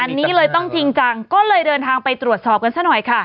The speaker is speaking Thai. อันนี้เลยต้องจริงจังก็เลยเดินทางไปตรวจสอบกันซะหน่อยค่ะ